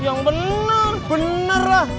yang bener bener lah